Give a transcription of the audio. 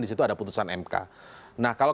di situ ada putusan mk nah kalau